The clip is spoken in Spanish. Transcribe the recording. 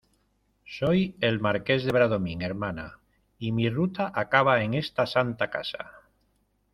soy el Marqués de Bradomín, hermana , y mi ruta acaba en esta santa casa.